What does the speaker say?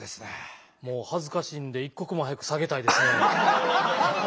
もう恥ずかしいんで一刻も早く下げたいですね。